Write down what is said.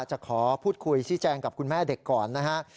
จะขอพูดคุยชี้แจงกับคุณแม่เด็กก่อนนะฮะ